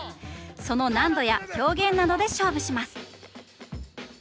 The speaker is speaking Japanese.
その難度や表現などで勝負します。